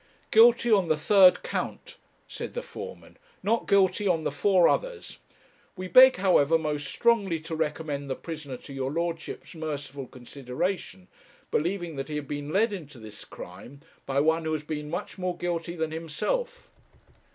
'Guilty on the third count,' said the foreman. 'Not guilty on the four others. We beg, however, most strongly to recommend the prisoner to your lordship's merciful consideration, believing that he has been led into this crime by one who has been much more guilty than himself.'